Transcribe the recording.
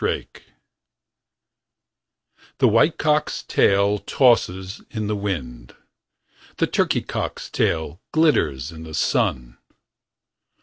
pdf The white cock's tail Tosses in the wind. The turkey cock's tail Glitters in the sun.